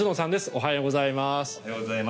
おはようございます。